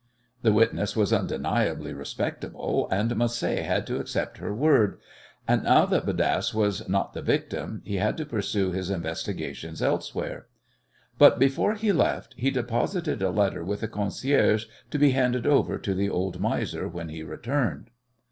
The witness was undeniably respectable, and Macé had to accept her word, and, now that Bodasse was not the victim, he had to pursue his investigations elsewhere; but before he left he deposited a letter with the concierge to be handed over to the old miser when he returned.